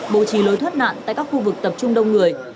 bố trì lối thoát nạn tại các khu vực tập trung đông người